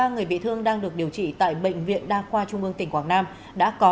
ba người bị thương đang được điều trị tại bệnh viện đa khoa trung ương tỉnh quảng nam đã có